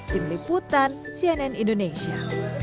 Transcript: tim liputan cnn indonesia